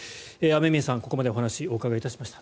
雨宮さんにここまでお話をお伺いしました。